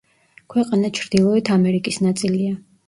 ქვეყანა ჩრდილოეთ ამერიკის ნაწილია.